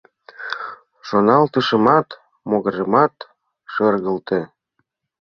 Шоналтышымат, могыремат шергылте...